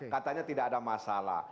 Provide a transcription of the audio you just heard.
katanya tidak ada masalah